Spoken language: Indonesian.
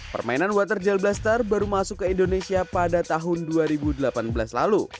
permainan water gel blaster baru masuk ke indonesia pada tahun dua ribu delapan belas lalu